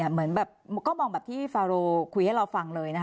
เหมือนแบบก็มองแบบที่ฟาโรคุยให้เราฟังเลยนะคะ